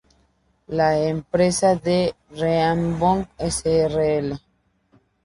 La empresa de Rainbow S.r.l.